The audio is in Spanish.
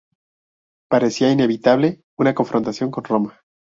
Parecía inevitable una confrontación con Roma.